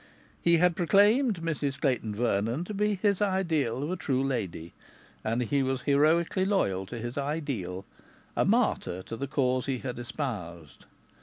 He had proclaimed Mrs Clayton Vernon to be his ideal of a true lady, and he was heroically loyal to his ideal, a martyr to the cause he had espoused.